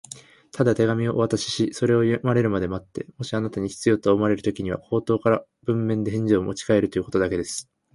「ただ手紙をお渡しし、それを読まれるまで待って、もしあなたに必要と思われるときには、口頭か文面で返事をもちかえるということだけです」